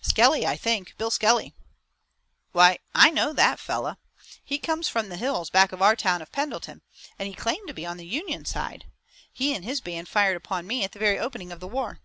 "Skelly, I think, Bill Skelly." "Why, I know that fellow! He comes from the hills back of our town of Pendleton, and he claimed to be on the Union side. He and his band fired upon me at the very opening of the war."